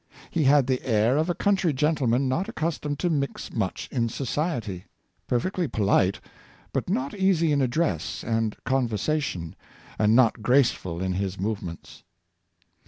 He had the air of a country gentleman not accustomed to mix much in society, perfectly polite, but not easy in address and conversation, and not graceful in his move ments."